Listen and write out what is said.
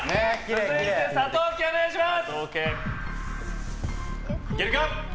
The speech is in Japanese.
続いて佐藤家、お願いします！